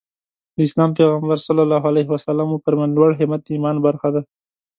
د اسلام پيغمبر ص وفرمايل لوړ همت د ايمان برخه ده.